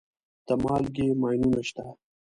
د مالګې ماینونه شته.